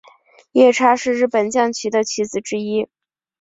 夜叉是日本将棋的棋子之一。